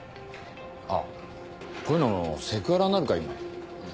あっこういうのセクハラになるか今。